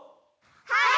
はい。